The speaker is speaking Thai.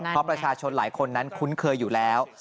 เพราะประชาชนหลายคนนั้นคุ้นเคยอยู่แล้ว